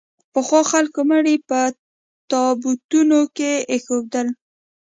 پخوا خلکو مړي په تابوتونو کې نه اېښودل.